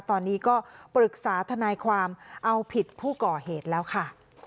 ตอนนี้ก็ปรึกษาทนายความเอาผิดผู้ก่อเหตุแล้วค่ะ